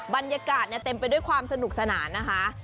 บรรยากาศเต็มไปด้วยความสนุกสนานนะคะ